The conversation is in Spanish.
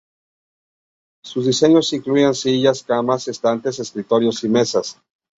Sus diseños incluían sillas, camas, estantes, escritorios y mesas.